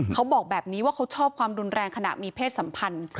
เขาบอกแบบนี้ว่าเขาชอบความรุนแรงขณะมีเพศสัมพันธ์